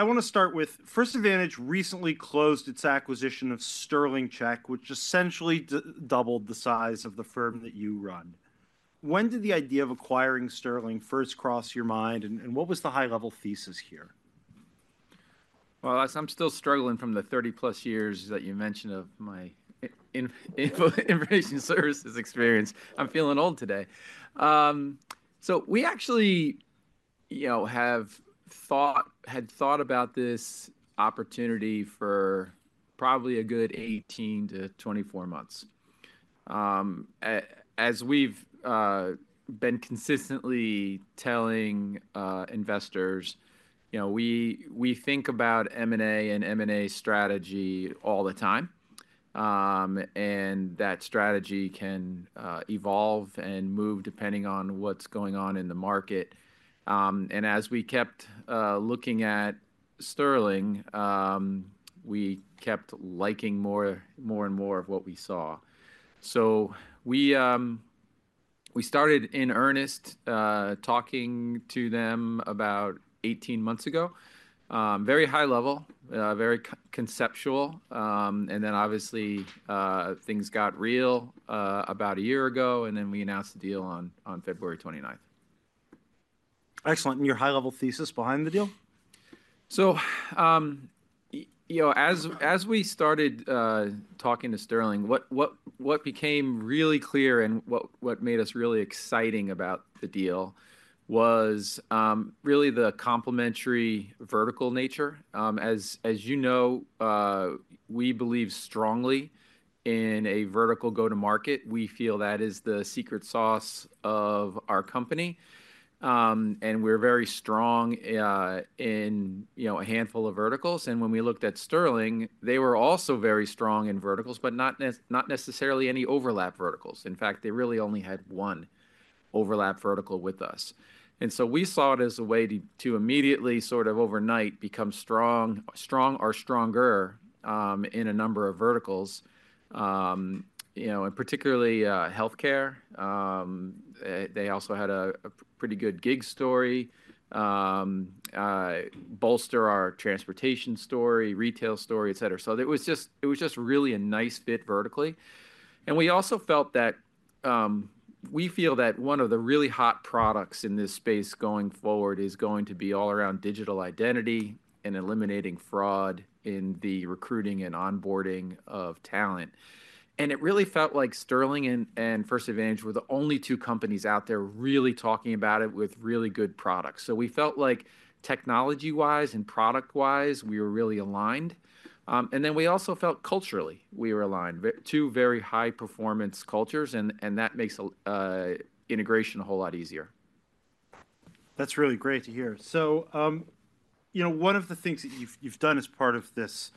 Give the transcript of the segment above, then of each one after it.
I want to start with First Advantage recently closed its acquisition of Sterling Check, which essentially doubled the size of the firm that you run. When did the idea of acquiring Sterling first cross your mind, and what was the high-level thesis here? Well, as I'm still struggling from the 30-plus years that you mentioned of my information services experience, I'm feeling old today. We actually had thought about this opportunity for probably a good 18-24 months. As we've been consistently telling investors, we think about M&A and M&A strategy all the time, and that strategy can evolve and move depending on what's going on in the market. As we kept looking at Sterling, we kept liking more and more of what we saw. We started in earnest talking to them about 18 months ago. Very high level, very conceptual. Then, obviously, things got real about a year ago, and then we announced the deal on February 29th. Excellent. And your high-level thesis behind the deal? So as we started talking to Sterling, what became really clear and what made us really exciting about the deal was really the complementary vertical nature. As you know, we believe strongly in a vertical go-to-market. We feel that is the secret sauce of our company. And we're very strong in a handful of verticals. And when we looked at Sterling, they were also very strong in verticals, but not necessarily any overlap verticals. In fact, they really only had one overlap vertical with us. And so we saw it as a way to immediately, sort of overnight, become strong or stronger in a number of verticals, particularly healthcare. They also had a pretty good gig story, bolster our transportation story, retail story, etc. So it was just really a nice fit vertically. We feel that one of the really hot products in this space going forward is going to be all around digital identity and eliminating fraud in the recruiting and onboarding of talent. It really felt like Sterling and First Advantage were the only two companies out there really talking about it with really good products. We felt like technology-wise and product-wise, we were really aligned. We also felt culturally we were aligned to very high-performance cultures, and that makes integration a whole lot easier. That's really great to hear. So one of the things that you've done as part of this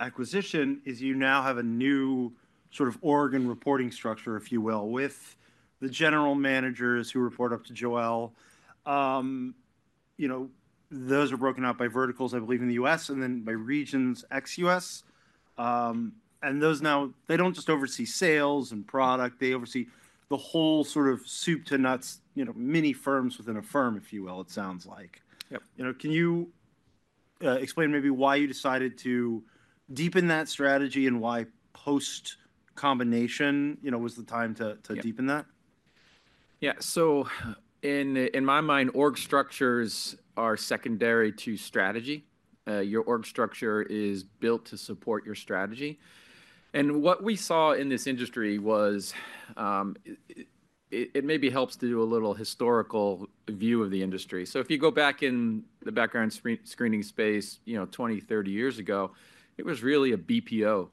acquisition is you now have a new sort of organizational reporting structure, if you will, with the general managers who report up to Joelle. Those are broken out by verticals, I believe, in the US and then by regions ex-US. And those now, they don't just oversee sales and product. They oversee the whole sort of soup to nuts, mini firms within a firm, if you will, it sounds like. Can you explain maybe why you decided to deepen that strategy and why post-combination was the time to deepen that? Yeah, so in my mind, org structures are secondary to strategy. Your org structure is built to support your strategy, and what we saw in this industry was it maybe helps to do a little historical view of the industry, so if you go back in the background screening space 20, 30 years ago, it was really a BPO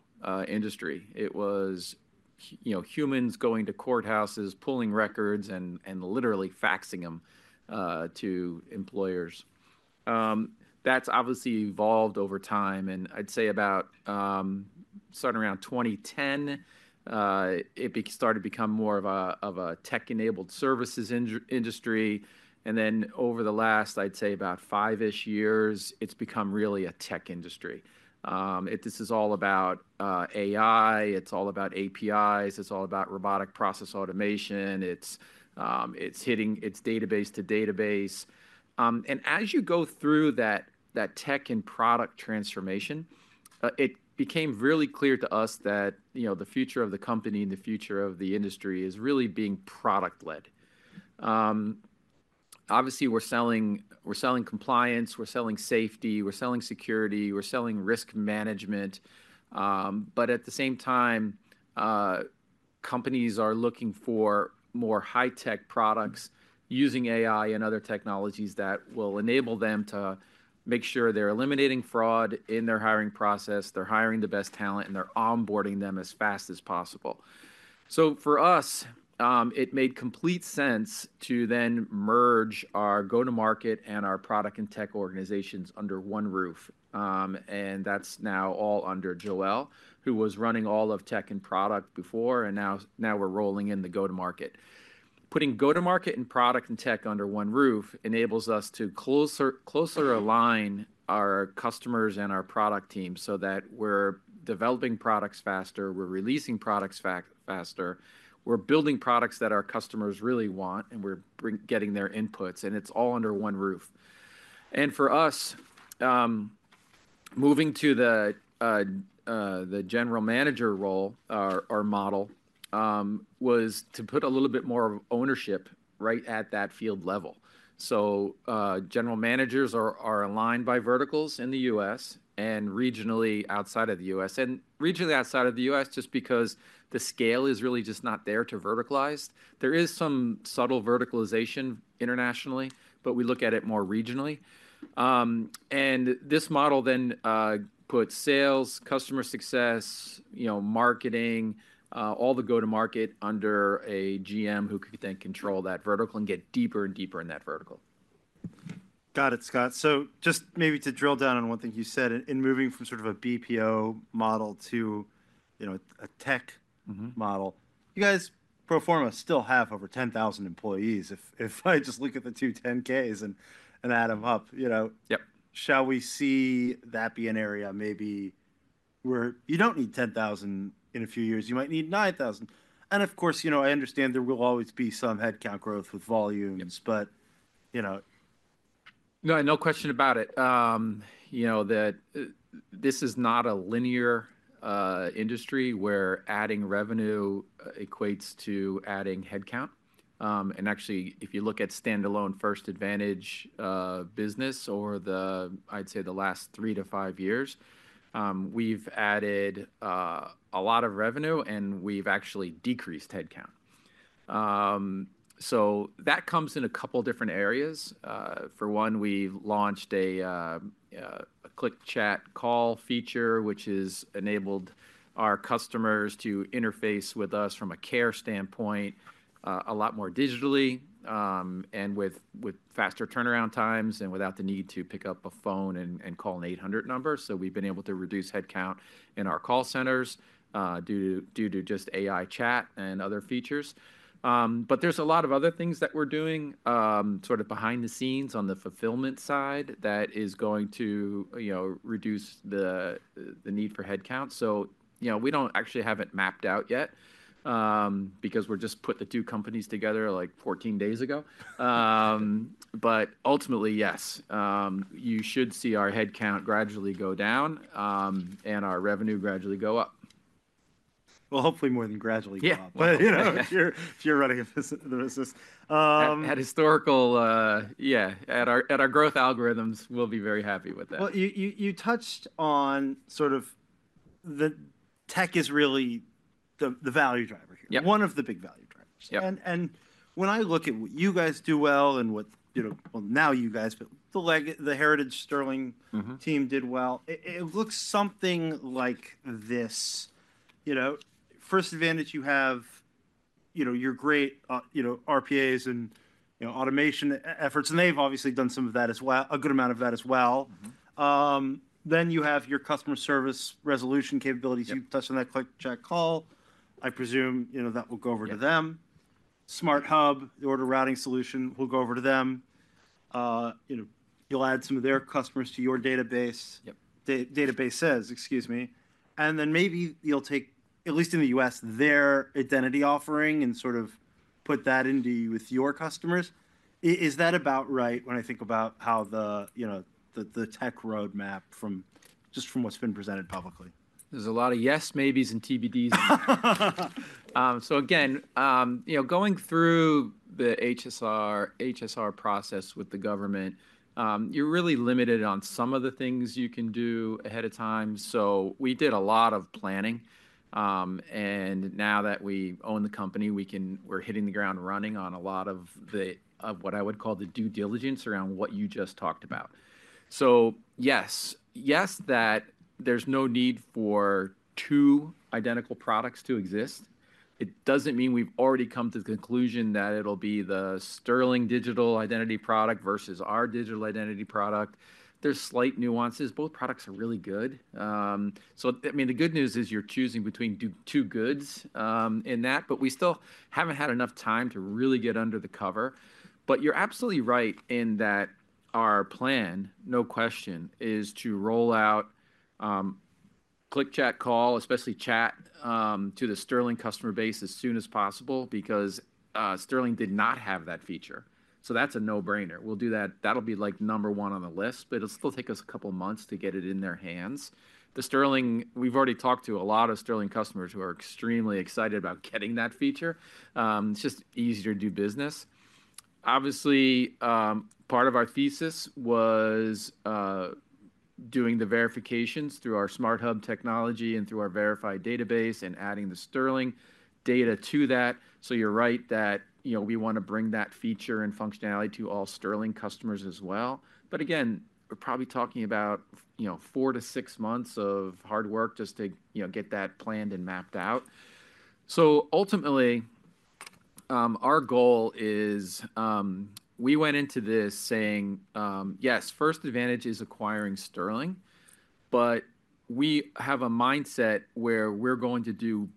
industry. It was humans going to courthouses, pulling records, and literally faxing them to employers. That's obviously evolved over time, and I'd say about starting around 2010, it started to become more of a tech-enabled services industry, and then over the last, I'd say, about five-ish years, it's become really a tech industry. This is all about AI. It's all about APIs. It's all about robotic process automation. It's hitting its database to database. And as you go through that tech and product transformation, it became really clear to us that the future of the company and the future of the industry is really being product-led. Obviously, we're selling compliance. We're selling safety. We're selling security. We're selling risk management. But at the same time, companies are looking for more high-tech products using AI and other technologies that will enable them to make sure they're eliminating fraud in their hiring process. They're hiring the best talent, and they're onboarding them as fast as possible. So for us, it made complete sense to then merge our go-to-market and our product and tech organizations under one roof. And that's now all under Joelle, who was running all of tech and product before, and now we're rolling in the go-to-market. Putting go-to-market and product and tech under one roof enables us to closer align our customers and our product team so that we're developing products faster. We're releasing products faster. We're building products that our customers really want, and we're getting their inputs. And it's all under one roof. And for us, moving to the general manager role, our model was to put a little bit more ownership right at that field level. So general managers are aligned by verticals in the U.S. and regionally outside of the U.S. And regionally outside of the U.S. just because the scale is really just not there to verticalize. There is some subtle verticalization internationally, but we look at it more regionally. And this model then puts sales, customer success, marketing, all the go-to-market under a GM who can then control that vertical and get deeper and deeper in that vertical. Got it, Scott. So just maybe to drill down on one thing you said, in moving from sort of a BPO model to a tech model, you guys pro forma still have over 10,000 employees. If I just look at the two 10-Ks and add them up, shall we see that be an area maybe where you don't need 10,000 in a few years? You might need 9,000. And of course, I understand there will always be some headcount growth with volumes, but. No, no question about it. This is not a linear industry where adding revenue equates to adding headcount, and actually, if you look at standalone First Advantage business over the, I'd say, the last three to five years, we've added a lot of revenue, and we've actually decreased headcount, so that comes in a couple of different areas. For one, we launched a Click Chat Call feature, which has enabled our customers to interface with us from a care standpoint a lot more digitally and with faster turnaround times and without the need to pick up a phone and call an 800 number. So we've been able to reduce headcount in our call centers due to just AI chat and other features, but there's a lot of other things that we're doing sort of behind the scenes on the fulfillment side that is going to reduce the need for headcount. So, we don't actually have it mapped out yet because we've just put the two companies together like 14 days ago. But ultimately, yes, you should see our headcount gradually go down and our revenue gradually go up. Hopefully more than gradually go up, but if you're running a business. At historical, yeah, at our growth algorithms, we'll be very happy with that. Well, you touched on sort of the tech is really the value driver here, one of the big value drivers. And when I look at what you guys do well and what, not you guys, but the heritage Sterling team did well, it looks something like this. First Advantage, you have your great RPAs and automation efforts, and they've obviously done some of that as well, a good amount of that as well. Then you have your customer service resolution capabilities. You've touched on that Click Chat Call. I presume that will go over to them. SmartHub, the order routing solution, will go over to them. You'll add some of their customers to your databases, excuse me. And then maybe you'll take, at least in the US, their identity offering and sort of put that into your with your customers. Is that about right when I think about the tech roadmap just from what's been presented publicly? There's a lot of yes, maybes, and TBDs. So again, going through the HSR process with the government, you're really limited on some of the things you can do ahead of time. So we did a lot of planning and now that we own the company, we're hitting the ground running on a lot of what I would call the due diligence around what you just talked about, so yes, yes, that there's no need for two identical products to exist. It doesn't mean we've already come to the conclusion that it'll be the Sterling digital identity product versus our digital identity product. There's slight nuances. Both products are really good, so I mean, the good news is you're choosing between two goods in that, but we still haven't had enough time to really get under the cover. But you're absolutely right in that our plan, no question, is to roll out Click Chat Call, especially chat to the Sterling customer base as soon as possible because Sterling did not have that feature. So that's a no-brainer. We'll do that. That'll be like number one on the list, but it'll still take us a couple of months to get it in their hands. We've already talked to a lot of Sterling customers who are extremely excited about getting that feature. It's just easier to do business. Obviously, part of our thesis was doing the verifications through our SmartHub technology and through our verified database and adding the Sterling data to that. So you're right that we want to bring that feature and functionality to all Sterling customers as well. But again, we're probably talking about four-to-six months of hard work just to get that planned and mapped out. So ultimately, our goal is we went into this saying, yes, First Advantage is acquiring Sterling, but we have a mindset where we're going to do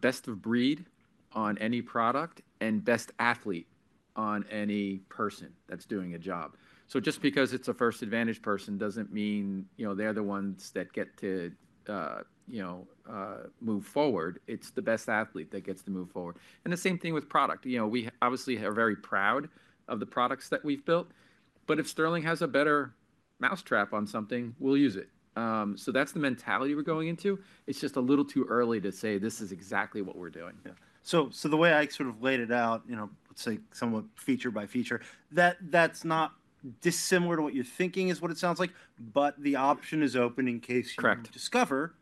best of breed on any product and best athlete on any person that's doing a job. So just because it's a First Advantage person doesn't mean they're the ones that get to move forward. It's the best athlete that gets to move forward. And the same thing with product. We obviously are very proud of the products that we've built. But if Sterling has a better mousetrap on something, we'll use it. So that's the mentality we're going into. It's just a little too early to say this is exactly what we're doing. So the way I sort of laid it out, let's say somewhat feature by feature, that's not dissimilar to what you're thinking, is what it sounds like, but the option is open in case you discover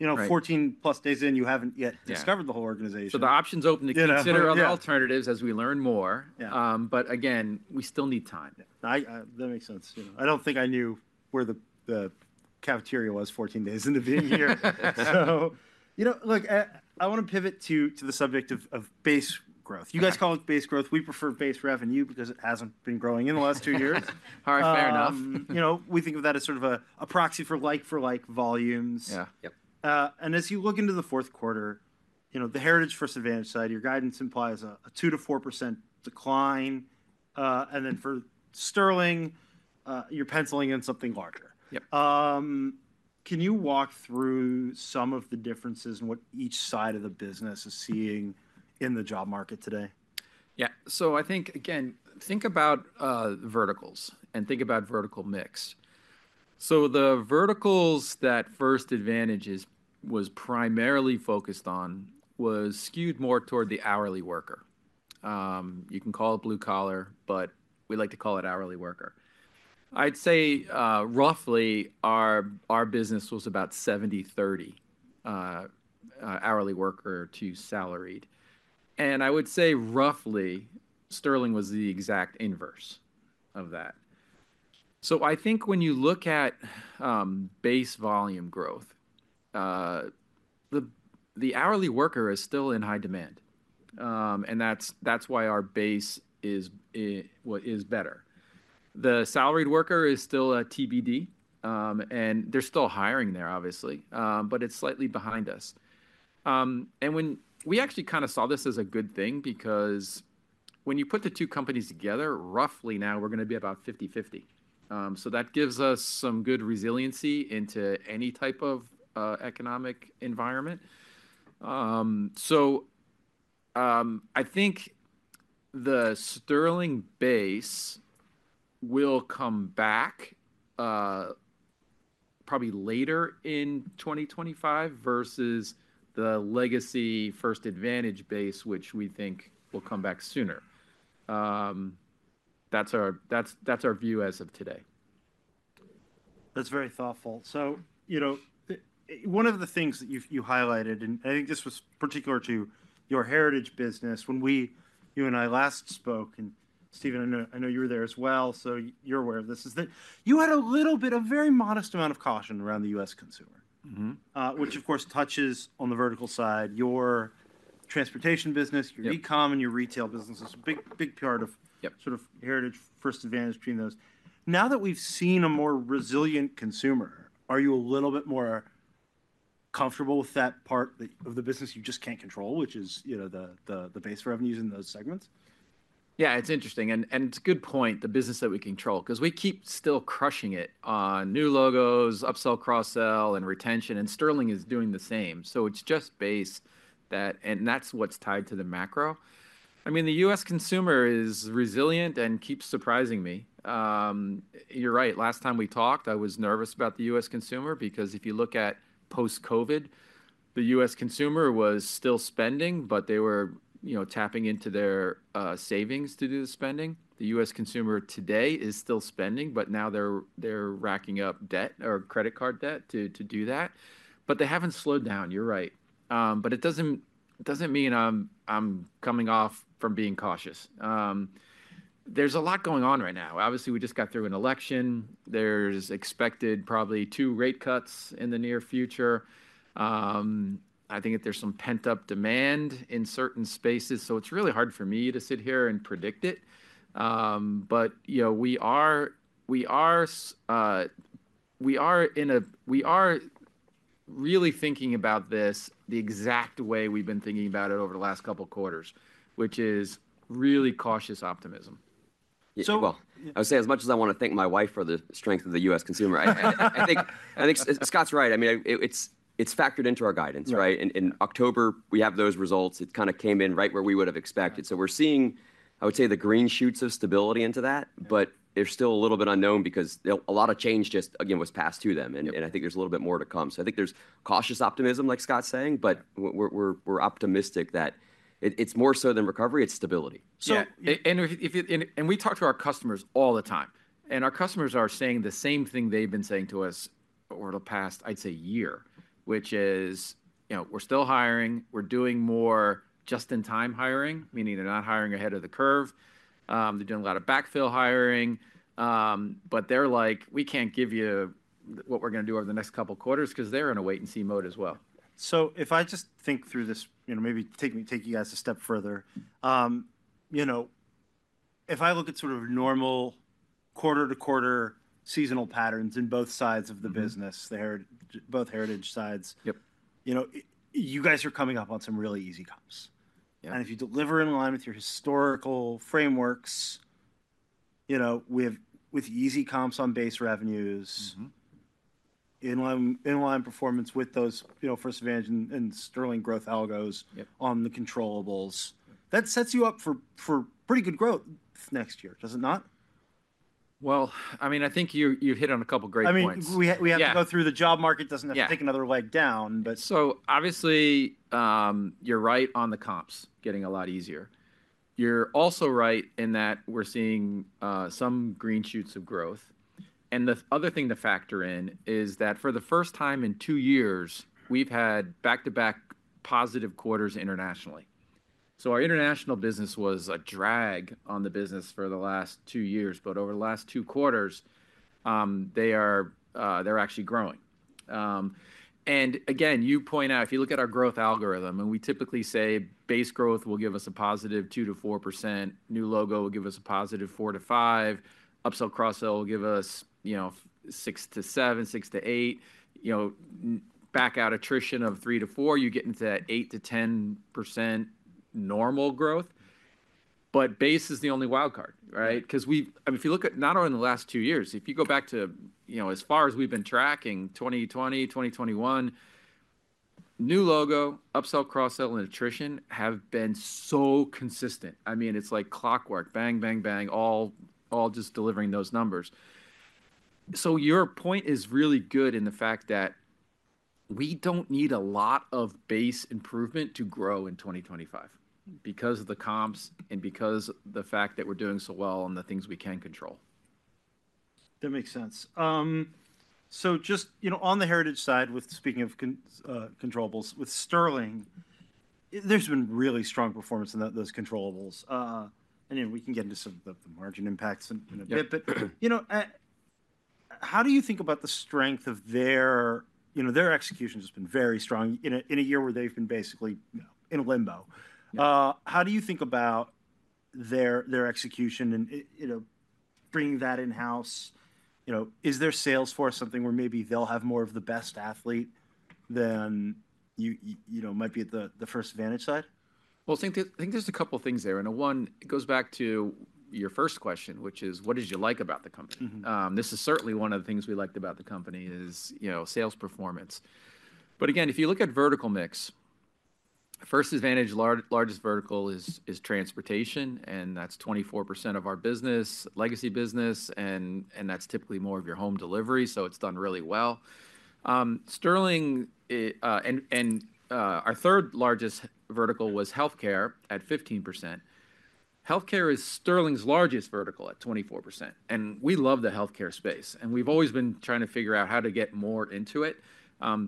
14-plus days in, you haven't yet discovered the whole organization. So the option's open to consider other alternatives as we learn more. But again, we still need time. That makes sense. I don't think I knew where the cafeteria was 14 days into being here. So I want to pivot to the subject of base growth. You guys call it base growth. We prefer base revenue because it hasn't been growing in the last two years. All right, fair enough. We think of that as sort of a proxy for like-for-like volumes. And as you look into the Q4, the Heritage First Advantage side, your guidance implies a 2%-4% decline. And then for Sterling, you're penciling in something larger. Can you walk through some of the differences in what each side of the business is seeing in the job market today? Yeah, so I think, again, think about verticals and think about vertical mix, so the verticals that First Advantage was primarily focused on was skewed more toward the hourly worker. You can call it blue collar, but we like to call it hourly worker. I'd say roughly our business was about 70-30 hourly worker to salaried, and I would say roughly Sterling was the exact inverse of that, so I think when you look at base volume growth, the hourly worker is still in high demand. And that's why our base is better. The salaried worker is still a TBD, and they're still hiring there, obviously, but it's slightly behind us, and we actually kind of saw this as a good thing because when you put the two companies together, roughly now we're going to be about 50-50. So that gives us some good resiliency into any type of economic environment. So I think the Sterling base will come back probably later in 2025 versus the legacy First Advantage base, which we think will come back sooner. That's our view as of today. That's very thoughtful. So one of the things that you highlighted, and I think this was particular to your Heritage business, when you and I last spoke, and Steven, I know you were there as well, so you're aware of this, is that you had a little bit of very modest amount of caution around the U.S. consumer, which of course touches on the vertical side, your transportation business, your e-com, and your retail business. It's a big part of sort of Heritage First Advantage between those. Now that we've seen a more resilient consumer, are you a little bit more comfortable with that part of the business you just can't control, which is the base revenues in those segments? Yeah, it's interesting and it's a good point, the business that we control, because we keep still crushing it on new logos, upsell, cross-sell, and retention, and Sterling is doing the same, so it's just base that, and that's what's tied to the macro. I mean, the U.S. consumer is resilient and keeps surprising me. You're right. Last time we talked, I was nervous about the U.S. consumer because if you look at post-COVID, the U.S. consumer was still spending, but they were tapping into their savings to do the spending. The U.S. consumer today is still spending, but now they're racking up debt or credit card debt to do that, but they haven't slowed down. You're right, but it doesn't mean I'm coming off from being cautious. There's a lot going on right now. Obviously, we just got through an election. There's expected probably two rate cuts in the near future. I think there's some pent-up demand in certain spaces. So it's really hard for me to sit here and predict it. But we are really thinking about this the exact way we've been thinking about it over the last couple of quarters, which is really cautious optimism. So well. I would say as much as I want to thank my wife for the strength of the U.S. consumer, I think Scott's right. I mean, it's factored into our guidance, right? In October, we have those results. It kind of came in right where we would have expected. So we're seeing, I would say, the green shoots of stability into that, but they're still a little bit unknown because a lot of change just, again, was passed to them. And I think there's a little bit more to come. So I think there's cautious optimism, like Scott's saying, but we're optimistic that it's more so than recovery. It's stability. And we talk to our customers all the time. And our customers are saying the same thing they've been saying to us over the past, I'd say, year, which is we're still hiring. We're doing more just-in-time hiring, meaning they're not hiring ahead of the curve. They're doing a lot of backfill hiring. But they're like, we can't give you what we're going to do over the next couple of quarters because they're in a wait-and-see mode as well. So if I just think through this, maybe take you guys a step further. If I look at sort of normal quarter-to-quarter seasonal patterns in both sides of the business, both Heritage sides, you guys are coming up on some really easy comps. If you deliver in line with your historical frameworks with easy comps on base revenues, inline performance with those First Advantage and Sterling growth algos on the controllables, that sets you up for pretty good growth next year, does it not? I mean, I think you hit on a couple of great points. I mean, we have to go through the job market. It doesn't have to take another leg down, but. So obviously, you're right on the comps getting a lot easier. You're also right in that we're seeing some green shoots of growth. And the other thing to factor in is that for the first time in two years, we've had back-to-back positive quarters internationally. So our international business was a drag on the business for the last two years. But over the last two quarters, they're actually growing. And again, you point out, if you look at our growth algorithm, and we typically say base growth will give us a positive 2-4%, new logo will give us a positive 4-5%, upsell, cross-sell will give us 6-7%, 6-8%, back-out attrition of 3-4%, you get into that 8-10% normal growth. But base is the only wildcard, right? Because if you look at not only in the last two years, if you go back to as far as we've been tracking 2020, 2021, new logo, upsell, cross-sell, and attrition have been so consistent. I mean, it's like clockwork, bang, bang, bang, all just delivering those numbers. So your point is really good in the fact that we don't need a lot of base improvement to grow in 2025 because of the comps and because of the fact that we're doing so well on the things we can control. That makes sense, so just on the Heritage side, speaking of controllables with Sterling, there's been really strong performance in those controllables. And then we can get into some of the margin impacts in a bit, but how do you think about the strength of their execution? It's been very strong in a year where they've been basically in a limbo. How do you think about their execution and bringing that in-house? Is there sales for something where maybe they'll have more of the best athlete than might be at the First Advantage side? I think there's a couple of things there. One, it goes back to your first question, which is, what did you like about the company? This is certainly one of the things we liked about the company is sales performance. But again, if you look at vertical mix, First Advantage, largest vertical is transportation, and that's 24% of our business, legacy business, and that's typically more of your home delivery. So it's done really well. Our third largest vertical was healthcare at 15%. Healthcare is Sterling's largest vertical at 24%. We love the healthcare space. We've always been trying to figure out how to get more into it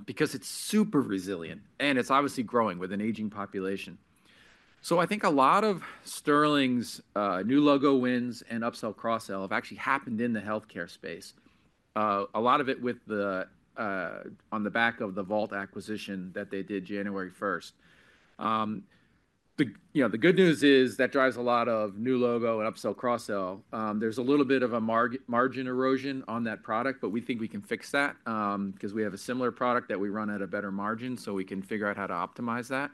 because it's super resilient. It's obviously growing with an aging population. So I think a lot of Sterling's new logo wins and upsell, cross-sell have actually happened in the healthcare space, a lot of it on the back of the Vault acquisition that they did January 1st. The good news is that drives a lot of new logo and upsell, cross-sell. There's a little bit of a margin erosion on that product, but we think we can fix that because we have a similar product that we run at a better margin, so we can figure out how to optimize that.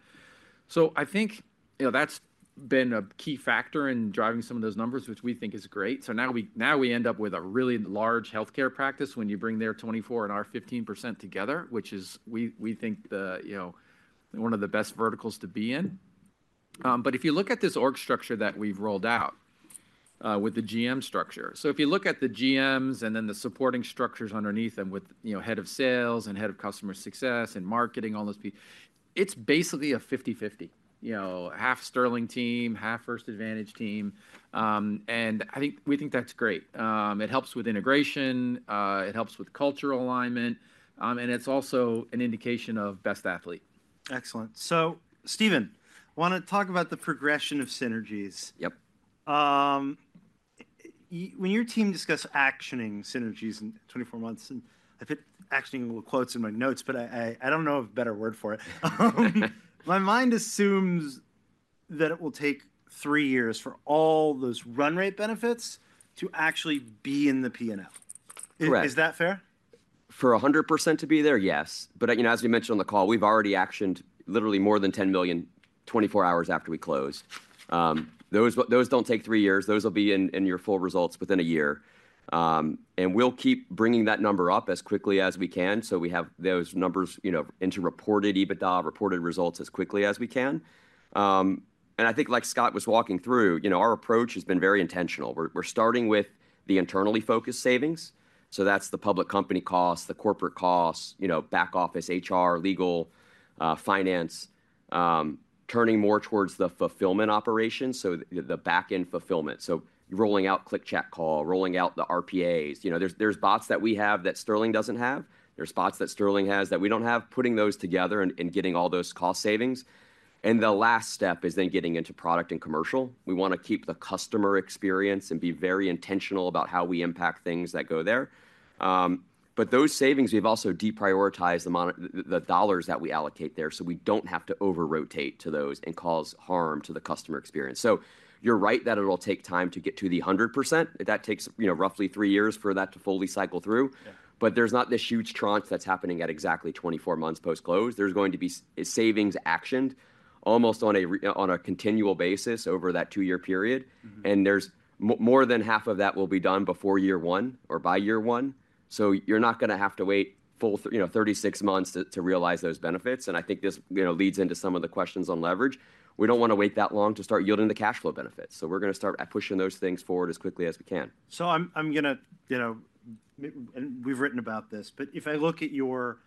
So I think that's been a key factor in driving some of those numbers, which we think is great. So now we end up with a really large healthcare practice when you bring their 24% and our 15% together, which is, we think, one of the best verticals to be in. But if you look at this org structure that we've rolled out with the GM structure, so if you look at the GMs and then the supporting structures underneath them with head of sales and head of customer success and marketing, all those people, it's basically a 50-50, half Sterling team, half First Advantage team. And I think we think that's great. It helps with integration. It helps with cultural alignment. And it's also an indication of best athlete. Excellent. So Steven, I want to talk about the progression of synergies. Yep. When your team discussed actioning synergies in 24 months, and I put actioning quotes in my notes, but I don't know a better word for it. My mind assumes that it will take three years for all those run rate benefits to actually be in the P&L. Correct. Is that fair? For 100% to be there, yes, but as we mentioned on the call, we've already actioned literally more than 10 million 24 hours after we close. Those don't take three years. Those will be in your full results within a year, and we'll keep bringing that number up as quickly as we can so we have those numbers into reported EBITDA, reported results as quickly as we can, and I think like Scott was walking through, our approach has been very intentional. We're starting with the internally focused savings, so that's the public company costs, the corporate costs, back office, HR, legal, finance, turning more towards the fulfillment operations, so the back-end fulfillment, so rolling out Click Chat Call, rolling out the RPAs. There's bots that we have that Sterling doesn't have. There's bots that Sterling has that we don't have, putting those together and getting all those cost savings. And the last step is then getting into product and commercial. We want to keep the customer experience and be very intentional about how we impact things that go there. But those savings, we've also deprioritized the dollars that we allocate there so we don't have to over-rotate to those and cause harm to the customer experience. So you're right that it'll take time to get to the 100%. That takes roughly three years for that to fully cycle through. But there's not this huge tranche that's happening at exactly 24 months post-close. There's going to be savings actioned almost on a continual basis over that two-year period. And more than half of that will be done before year one or by year one. So you're not going to have to wait 36 months to realize those benefits. And I think this leads into some of the questions on leverage. We don't want to wait that long to start yielding the cash flow benefits. So we're going to start pushing those things forward as quickly as we can. So, I'm going to, and we've written about this, but if I look at your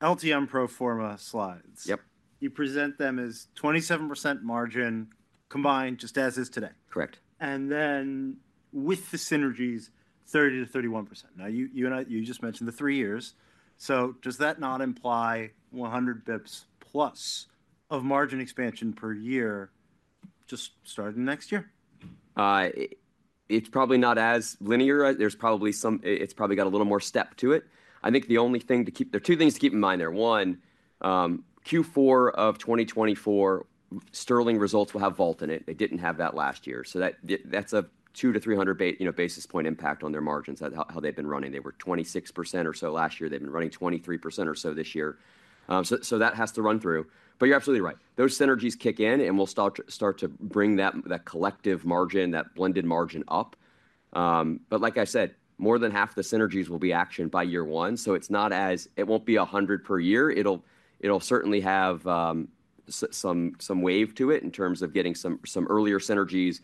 LTM pro forma slides, you present them as 27% margin combined just as is today. Correct. And then with the synergies, 30%-31%. Now, you just mentioned the three years. So does that not imply 100 basis points plus of margin expansion per year just starting next year? It's probably not as linear. It's probably got a little more step to it. I think the only thing to keep, there are two things to keep in mind there. One, Q4 of 2024, Sterling results will have Vault in it. They didn't have that last year. So that's a 2-300 basis point impact on their margins, how they've been running. They were 26% or so last year. They've been running 23% or so this year. So that has to run through. But you're absolutely right. Those synergies kick in, and we'll start to bring that collective margin, that blended margin up. But like I said, more than half the synergies will be actioned by year one. So it won't be 100 per year. It'll certainly have some wave to it in terms of getting some earlier synergies.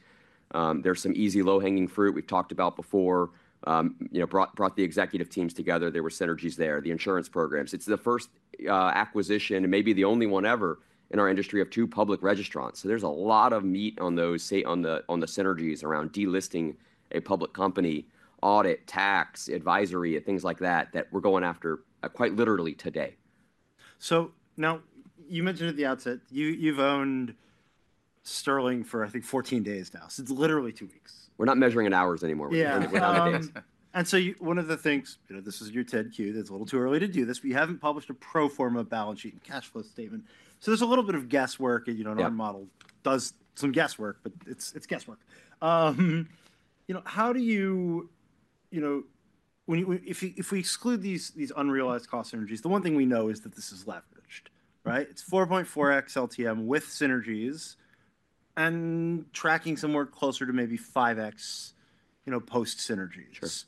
There's some easy low-hanging fruit we've talked about before. Brought the executive teams together. There were synergies there. The insurance programs. It's the first acquisition, maybe the only one ever in our industry of two public registrants. So there's a lot of meat on those synergies around delisting a public company, audit, tax, advisory, things like that that we're going after quite literally today. So now you mentioned at the outset, you've owned Sterling for, I think, 14 days now. So it's literally two weeks. We're not measuring in hours anymore. Yeah. One of the things, this is your TEDQ, that's a little too early to do this. We haven't published a Proforma balance sheet and cash flow statement. So there's a little bit of guesswork in your model does some guesswork, but it's guesswork. How do you, if we exclude these unrealized cost synergies, the one thing we know is that this is leveraged, right? It's 4.4x LTM with synergies and tracking somewhere closer to maybe 5x post-synergies.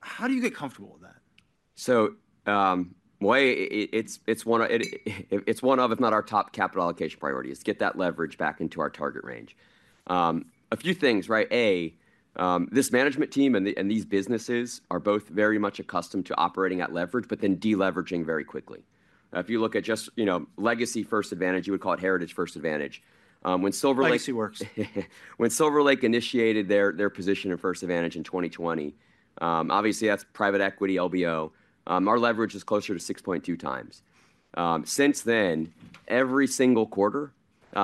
How do you get comfortable with that? So it's one of, if not our top capital allocation priorities, get that leverage back into our target range. A few things, right? A, this management team and these businesses are both very much accustomed to operating at leverage, but then deleveraging very quickly. If you look at just legacy First Advantage, you would call it heritage First Advantage. When Silver Lake. Legacy works. When Silver Lake initiated their position in First Advantage in 2020, obviously, that's private equity LBO. Our leverage is closer to 6.2 times. Since then, every single quarter,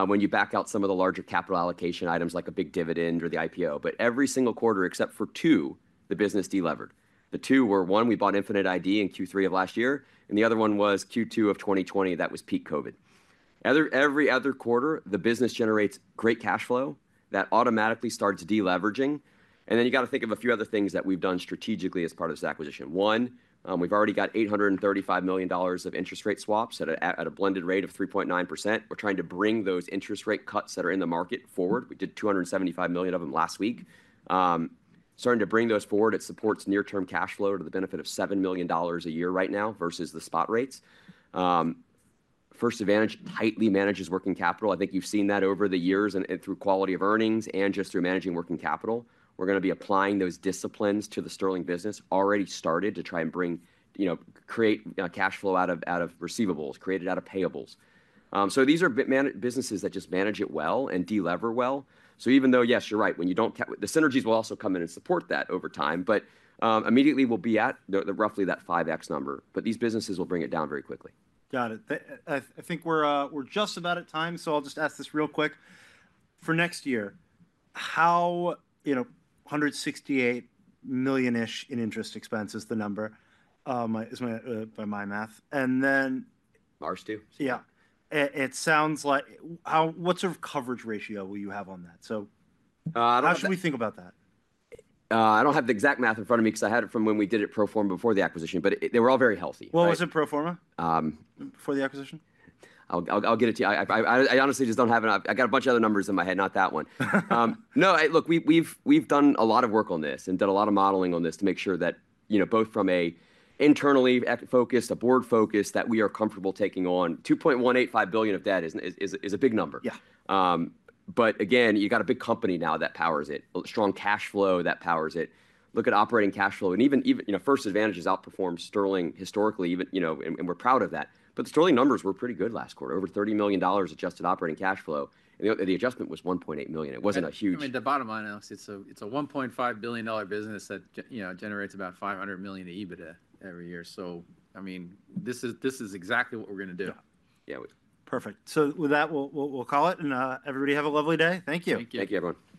when you back out some of the larger capital allocation items like a big dividend or the IPO, but every single quarter except for two, the business deleveraged. The two were, one, we bought Infinite ID in Q3 of last year, and the other one was Q2 of 2020 that was peak COVID. Every other quarter, the business generates great cash flow that automatically starts deleveraging, and then you got to think of a few other things that we've done strategically as part of this acquisition. One, we've already got $835 million of interest rate swaps at a blended rate of 3.9%. We're trying to bring those interest rate cuts that are in the market forward. We did 275 million of them last week. Starting to bring those forward, it supports near-term cash flow to the benefit of $7 million a year right now versus the spot rates. First Advantage tightly manages working capital. I think you've seen that over the years and through quality of earnings and just through managing working capital. We're going to be applying those disciplines to the Sterling business already started to try and create cash flow out of receivables, created out of payables. So these are businesses that just manage it well and delever well. So even though, yes, you're right, when you don't, the synergies will also come in and support that over time, but immediately we'll be at roughly that 5x number. But these businesses will bring it down very quickly. Got it. I think we're just about at time. So I'll just ask this real quick. For next year, how $168 million-ish in interest expense is the number by my math. And then. Ours too. Yeah. It sounds like, what sort of coverage ratio will you have on that? So how should we think about that? I don't have the exact math in front of me because I had it from when we did it pro forma before the acquisition, but they were all very healthy. What was it pro forma before the acquisition? I'll get it to you. I honestly just don't have it. I got a bunch of other numbers in my head, not that one. No, look, we've done a lot of work on this and done a lot of modeling on this to make sure that both from an internally focused, a board focused, that we are comfortable taking on $2.185 billion of debt. It is a big number. Yeah. But again, you got a big company now that powers it, strong cash flow that powers it. Look at operating cash flow. And even First Advantage has outperformed Sterling historically, and we're proud of that. But the Sterling numbers were pretty good last quarter, over $30 million adjusted operating cash flow. And the adjustment was $1.8 million. It wasn't a huge. I mean, to bottom line analysis, it's a $1.5 billion business that generates about $500 million of EBITDA every year. So I mean, this is exactly what we're going to do. Yeah. Perfect. So with that, we'll call it, and everybody have a lovely day. Thank you. Thank you. Thank you, everyone.